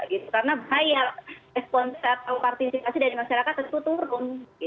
karena bahaya sponsor atau partisipasi dari masyarakat itu turun